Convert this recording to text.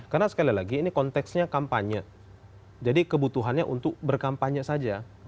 karena sekali lagi ini konteksnya kampanye jadi kebutuhannya untuk berkampanye saja